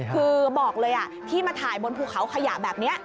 คือบอกเลยที่มาถ่ายบนภูเขาขยะแบบนี้